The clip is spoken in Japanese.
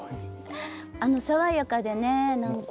爽やかでね何か。